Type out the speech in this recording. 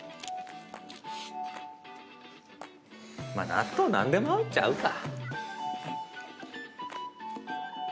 納豆何でも合うっちゃ合うか。